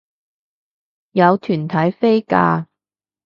有團體飛價